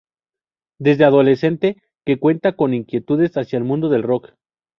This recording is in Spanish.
Desde adolescente que cuenta con inquietudes hacia el mundo del rock.